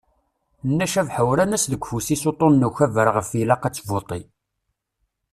Nna Cabḥa uran-as deg ufus-is uṭṭun n ukabar ɣef ialq ad tbuṭṭi.